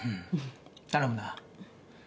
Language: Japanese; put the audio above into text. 頼むな。